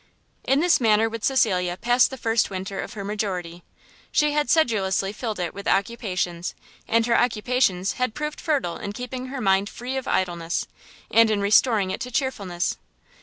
In this manner with Cecilia passed the first winter of her majority. She had sedulously filled it with occupations, and her occupations had proved fertile in keeping her mind from idleness, and in restoring it to chearfulness.